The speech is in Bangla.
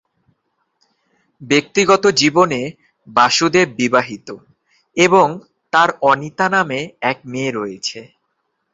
ব্যক্তিগত জীবনে বাসুদেব বিবাহিত এবং তার অনিতা নামে এক মেয়ে রয়েছে।